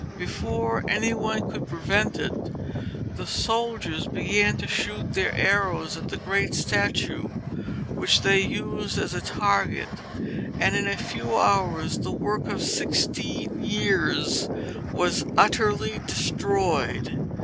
Before any one could prevent it, the soldiers began to shoot their arrows at the great statue, which they used as a target, and in a few hours the work of sixteen years was utterly destroyed.